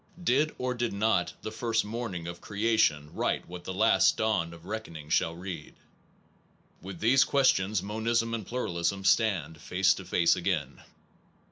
Did or did not the ciple of causality first morning of creation write what the last dawn of reckoning shall read ? With these questions monism and pluralism stand face to face again.